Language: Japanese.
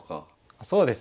そうですね。